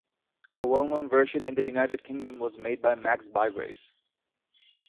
A well-known version in the United Kingdom was made by Max Bygraves.